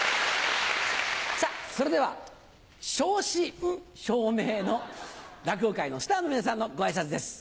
さぁそれではショウシん正銘の落語界のスターの皆さんのご挨拶です。